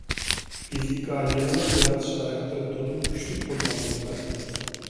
فىزىكا — يېڭىلىق يارىتىش خاراكتېرى تولىمۇ كۈچلۈك بولغان بىر پەن.